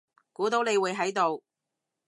估到你會喺度